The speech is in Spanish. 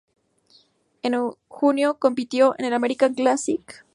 En junio, compitió en el American Classic en Huntsville, Texas.